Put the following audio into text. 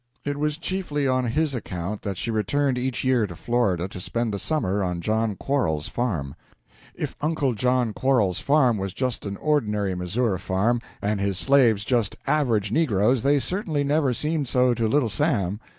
It was chiefly on his account that she returned each year to Florida to spend the summer on John Quarles's farm. If Uncle John Quarles's farm was just an ordinary Missouri farm, and his slaves just average negroes, they certainly never seemed so to Little Sam.